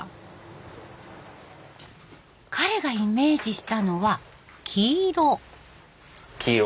彼がイメージしたのは黄色。